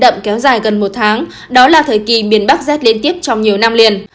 đậm kéo dài gần một tháng đó là thời kỳ miền bắc rét liên tiếp trong nhiều năm liền